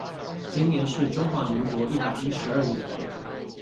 今年是中華民國一百一十二年